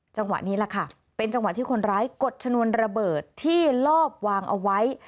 จังหวะนี้แหละค่ะเป็นจังหวะที่คนร้ายกดชนวนระเบิดที่ลอบวางเอาไว้